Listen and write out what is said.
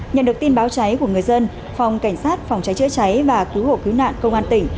nhận được tin báo cháy của người dân phòng cảnh sát phòng cháy chữa cháy và cứu hộ cứu nạn công an tỉnh